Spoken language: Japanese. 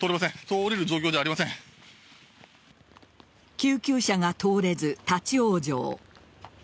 救急車が通れず立ち往生。